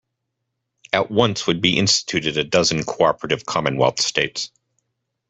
At once would be instituted a dozen cooperative commonwealth states.